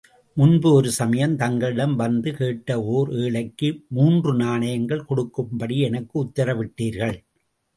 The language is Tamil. முன்பு ஒரு சமயம், தங்களிடம் வந்து கேட்ட ஓர் ஏழைக்கு, மூன்று நாணயங்கள் கொடுக்கும்படி எனக்கு உத்தரவிட்டீர்கள்.